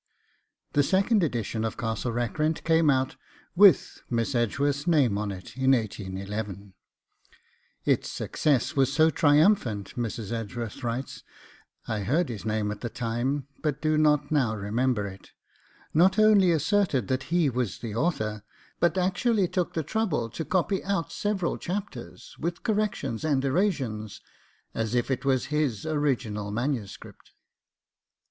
The second edition of CASTLE RACKRENT came out with Miss Edgeworth's name to it in 1811. 'Its success was so triumphant,' Mrs. Edgeworth writes, 'that some one I heard his name at the time, but do not now remember it not only asserted that he was the author, but actually took the trouble to copy out several chapters with corrections and erasions as if it was his original manuscript.